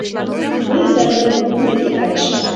Мый изарнян пу деке кайышым.